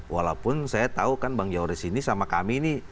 walaupun saya tahu kan bang yoris ini sama kami ini